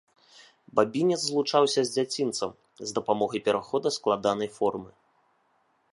Бабінец злучаўся з дзяцінцам з дапамогай перахода складанай формы.